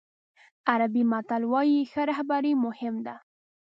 عربي متل وایي ښه رهبري مهم ده.